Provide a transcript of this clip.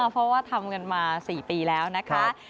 เพราะว่าทำกันมา๔ปีแล้วนะคะ